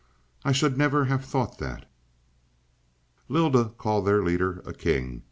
"I should never have thought that." "Lylda called their leader a king.